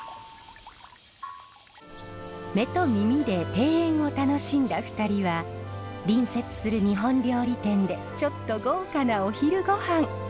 目と耳で庭園を楽しんだ２人は隣接する日本料理店でちょっと豪華なお昼ごはん。